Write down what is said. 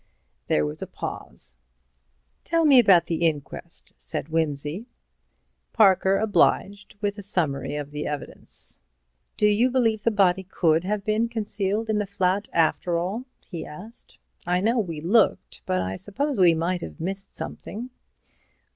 There was a pause. "Tell me about the inquest," said Wimsey. Parker obliged with a summary of the evidence. "Do you believe the body could have been concealed in the flat after all?" he asked. "I know we looked, but I suppose we might have missed something."